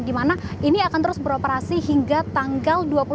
di mana ini akan terus beroperasi hingga tanggal dua puluh satu